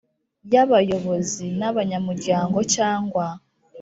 Y abayobozi n abanyamuryango cyangwa